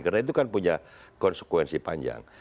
karena itu kan punya konsekuensi panjang